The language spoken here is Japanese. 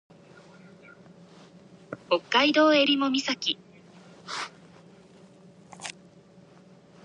北海道襟裳岬